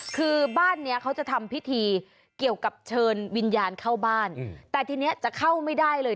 คือบ้านเนี้ยเขาจะทำพิธีเกี่ยวกับเชิญวิญญาณเข้าบ้านแต่ทีนี้จะเข้าไม่ได้เลย